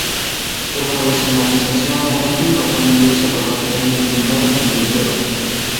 Tras la desamortización la imagen pasó a la iglesia parroquial de Villanueva de Duero.